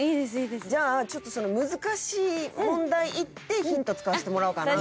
じゃあちょっと難しい問題いってヒント使わせてもらおうかな。